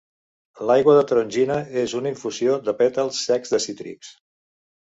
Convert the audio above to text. L'aigua de tarongina és una infusió de pètals secs de cítrics.